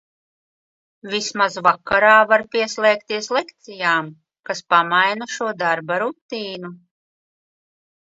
Vismaz vakarā var pieslēgties lekcijām, kas pamaina šo darba rutīnu.